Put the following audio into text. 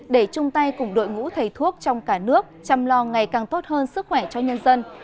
để chung tay cùng đội ngũ thầy thuốc trong cả nước chăm lo ngày càng tốt hơn sức khỏe cho nhân dân